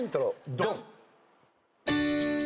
ドン！